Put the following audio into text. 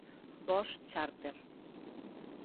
Voos chárter.